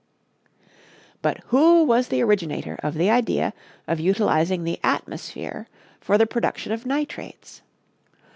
But who was the originator of the idea of utilizing the atmosphere for the production of nitrates?